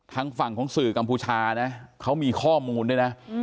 ทางฝั่งของสื่อกัมพูชานะเขามีข้อมูลด้วยนะ